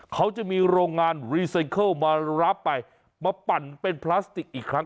เขาจะมีโรงงานรีไซเคิลมารับไปมาปั่นเป็นพลาสติกอีกครั้ง